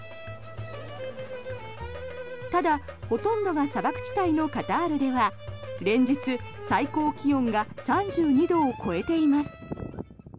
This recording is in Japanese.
ただ、ほとんどが砂漠地帯のカタールでは連日、最高気温が３２度を超えています。